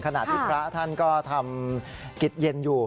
ขณะที่พระท่านก็ทำกิจเย็นอยู่